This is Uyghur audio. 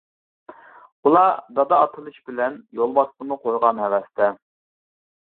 ئۇلار دادا ئاتىلىش بىلەن، يولۋاسنىمۇ قويغان ھەۋەستە.